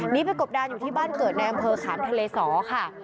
นี่เป็นกบด้านอยู่ที่บ้านเกิดในอำเภอขามทะเลศอเสร็จค่ะ